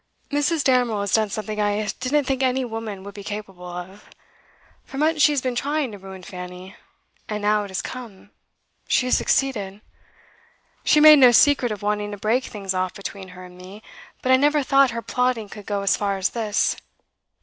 'Mrs. Damerel has done something I didn't think any woman would be capable of. For months she has been trying to ruin Fanny, and now it has come she has succeeded. She made no secret of wanting to break things off between her and me, but I never thought her plotting could go as far as this.